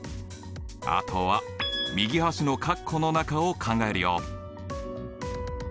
あとは右端のカッコの中を考えるよ。